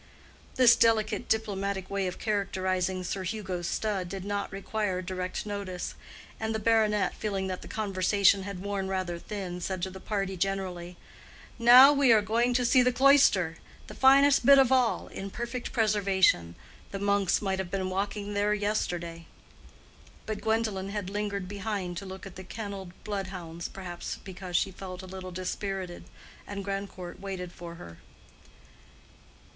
This delicate diplomatic way of characterizing Sir Hugo's stud did not require direct notice; and the baronet, feeling that the conversation had worn rather thin, said to the party generally, "Now we are going to see the cloister—the finest bit of all—in perfect preservation; the monks might have been walking there yesterday." But Gwendolen had lingered behind to look at the kenneled blood hounds, perhaps because she felt a little dispirited; and Grandcourt waited for her.